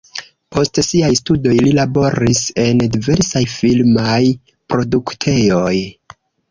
Post siaj studoj li laboris en diversaj filmaj produktejoj.